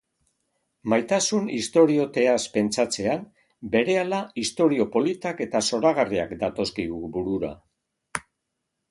Maitasun istorioteaz pentsatzean berehala istorio politak eta zoragarriak datozkigu burura.